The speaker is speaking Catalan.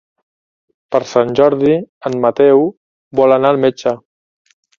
Per Sant Jordi en Mateu vol anar al metge.